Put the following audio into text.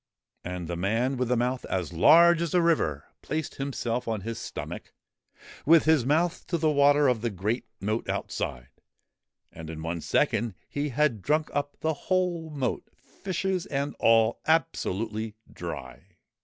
' And the man with the mouth as large as a river placed himself on his stomach, with his mouth to the water of the great moat outside, and in one second he had drunk up the whole moat, fishes and all, absolutely dry.